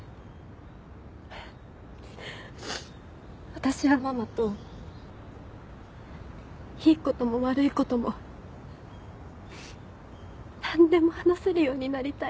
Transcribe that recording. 私はママといいことも悪いことも何でも話せるようになりたい。